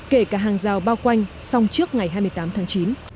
kể cả hàng rào bao quanh xong trước ngày hai mươi tám tháng chín